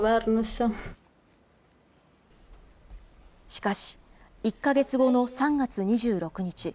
しかし、１か月後の３月２６日。